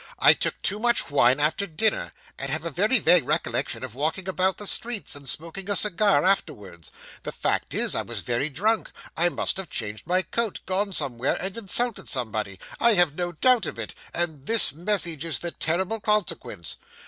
'I took too much wine after dinner, and have a very vague recollection of walking about the streets, and smoking a cigar afterwards. The fact is, I was very drunk; I must have changed my coat gone somewhere and insulted somebody I have no doubt of it; and this message is the terrible consequence.